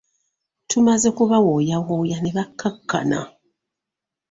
Tumaze kubawooyawooya ne bakkakkana.